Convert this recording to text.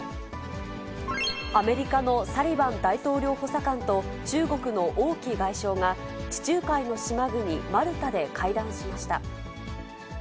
アメリカのサリバン大統領補佐官と中国の王毅外相が、地中海の島国、マルタで会談しました。